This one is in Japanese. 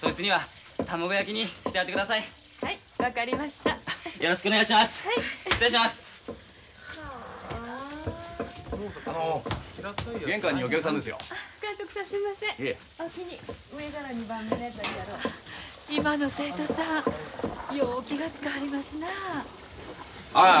今の生徒さんよう気が付かはりますなあ。